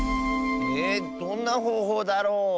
えどんなほうほうだろう？